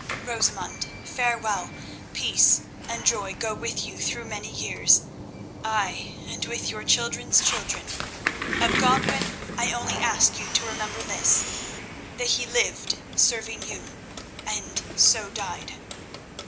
Rosamund, farewell; peace and joy go with you through many years, ay, and with your children's children. Of Godwin I only ask you to remember this, that he lived serving you, and so died."